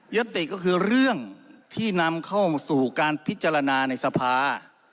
ติก็คือเรื่องที่นำเข้าสู่การพิจารณาในสภา